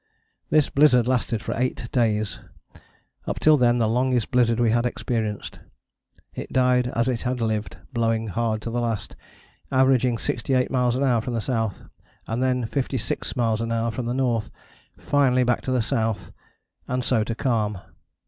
This blizzard lasted for eight days, up till then the longest blizzard we had experienced: "It died as it had lived, blowing hard to the last, averaging 68 miles an hour from the south, and then 56 miles an hour from the north, finally back to the south, and so to calm.